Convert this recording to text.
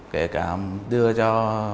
kể cả đưa cho